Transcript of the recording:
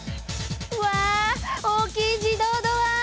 うわ大きい自動ドア！